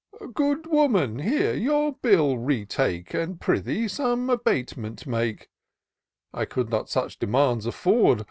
Good woman ; here, your bill retake, And, prithee, some abatement make ; I could not such demands afford.